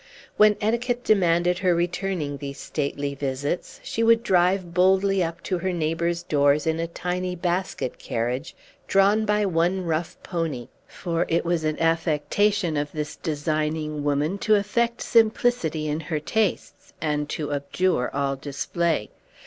When etiquette demanded her returning these stately visits, she would drive boldly up to her neighbors' doors in a tiny basket carriage, drawn by one rough pony; for it was an affectation of this designing woman to affect simplicity in her tastes, and to abjure all display.